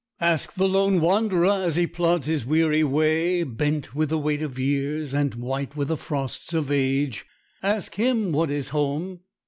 Ask the lone wanderer as he plods his weary way, bent with the weight of years and white with the frosts of age,—ask him what is home.